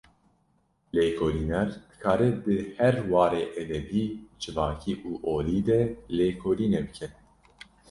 Lêkolîner, dikare di her warê edebî, civakî û olî de lêkolînê bike